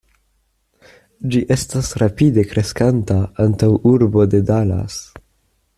Ĝi estas rapide kreskanta antaŭurbo de Dallas.